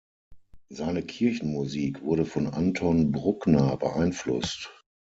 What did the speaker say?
Seine Kirchenmusik wurde von Anton Bruckner beeinflusst.